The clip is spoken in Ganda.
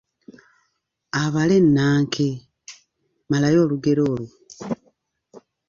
Abala ennanke, malayo olugero olwo.